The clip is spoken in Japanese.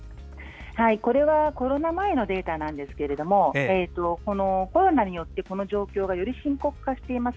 これはコロナ前のデータですがコロナによってこの状況がより深刻化しています。